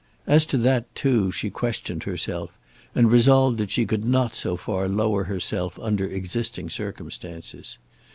As to that, too, she questioned herself, and resolved that she could not so far lower herself under existing circumstances.